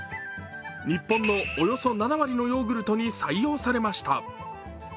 日本のおよそ７割のヨーグルトに採用されました。